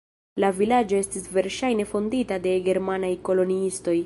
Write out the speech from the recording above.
La vilaĝo estis verŝajne fondita de germanaj koloniistoj.